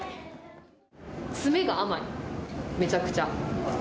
詰めが甘い、めちゃくちゃ。